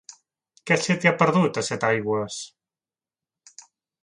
Què se t'hi ha perdut, a Setaigües?